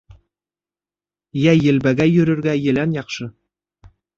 Йәй елбәгәй йөрөргә елән яҡшы.